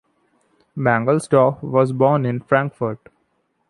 Mangelsdorff was born in Frankfurt.